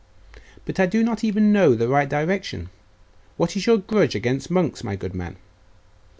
'But I do not even know the right direction; what is your grudge against monks, my good man?